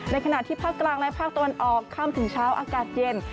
ขณะที่ภาคกลางและภาคตะวันออกค่ำถึงเช้าอากาศเย็น